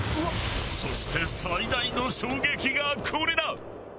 そして最大の衝撃がこれだ！